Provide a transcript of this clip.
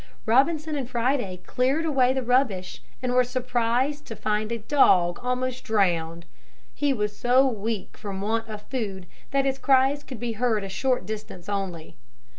Robinson and Friday cleared away the rubbish and were surprised to find a dog almost drowned. He was so weak from want of food that his cries could be heard a short distance only.